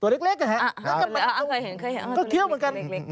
ตัวเล็กเล็กน่ะฮะแล้วก็อ่าเคยเห็นเคยเห็นมันก็เครียวเหมือนกัน